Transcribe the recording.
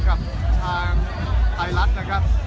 กับทางไทยรัฐนะครับ